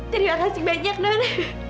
terima kasih banyak non